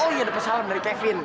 oh iya dapet salam dari kevin